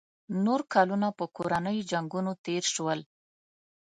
نور کلونه په کورنیو جنګونو تېر شول.